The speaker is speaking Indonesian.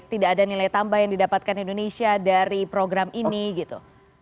tidak ada nilai tambah yang didapatkan indonesia dari program ini gitu